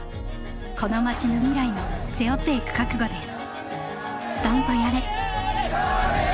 この町の未来も背負っていく覚悟です。